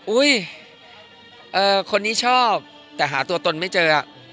อุ้ยคนนี้ชอบแต่หาตัวตนไม่เจอ